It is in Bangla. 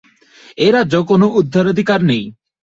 এ রাজ্যে কোন উত্তরাধিকার নেই।